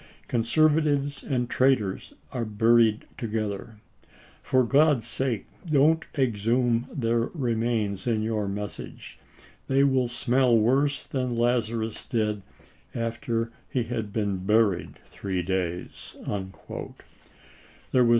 . Conservatives and traitors are buried together. For G od's sake don't exhume their remains in your message. They will smell worse than Lazarus did t<?hL£?oin, after he had been buried three days." There was isg^'ms.